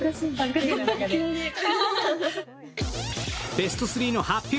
ベスト３の発表